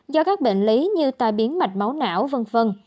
do các bệnh lý như tai biến mạch máu não v v